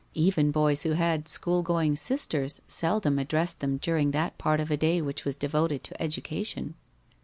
Even boys who had school going sisters seldom addressed them during that part of a day which was devoted to education.